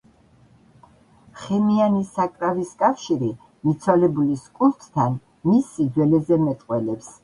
ხემიანი საკრავის კავშირი მიცვალებულის კულტთან მის სიძველეზე მეტყველებს.